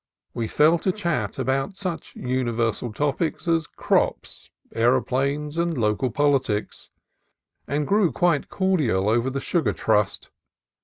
We fell into chat upon such universal topics as crops, aeroplanes, and local politics, and grew quite cordial over the Sugar Trust.